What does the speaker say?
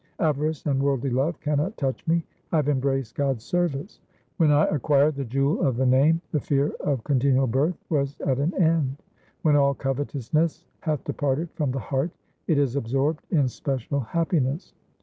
Avarice and worldly love cannot touch me ; I have em braced God's service. When I acquired the jewel of the Name, the fear of con tinual birth was at an end. When all covetousness hath departed from the heart it is absorbed in special happiness.